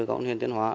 cộng huyện tuyên hóa